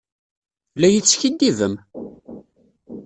La yi-teskiddibem?